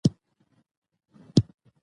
په عمومي توګه د هالي وډ فلمونه ګڼلے شي.